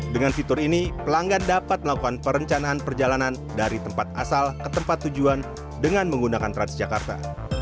dengan fitur ini pelanggan dapat melakukan perencanaan perjalanan dari tempat asal ke tempat tujuan dengan menggunakan transjakarta